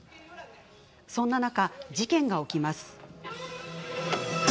そんな中、事件が起きます。